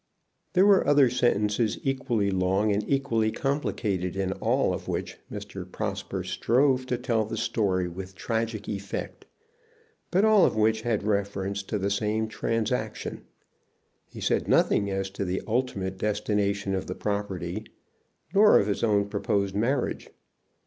There were other sentences equally long and equally complicated, in all of which Mr. Prosper strove to tell the story with tragic effect, but all of which had reference to the same transaction. He said nothing as to the ultimate destination of the property, nor of his own proposed marriage.